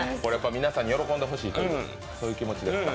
皆さんに喜んでほしいという気持ちですか？